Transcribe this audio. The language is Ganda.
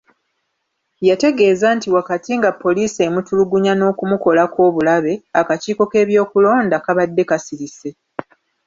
Yategeeza nti wakati nga poliisi emutulugunya n’okumukolako obulabe, akakiiko k’ebyokulonda kabadde kasirise.